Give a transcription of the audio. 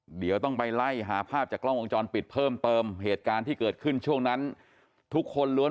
เดี๋ยวต้องไปไล่หาภาพจากกล้องวงจรปิดเพิ่มเติมเหตุการณ์ที่เกิดขึ้นช่วงนั้นทุกคนล้วน